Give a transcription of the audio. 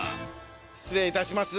失礼いたします